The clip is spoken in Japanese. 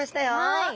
はい。